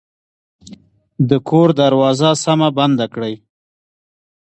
د کور دروازه سمه بنده کړئ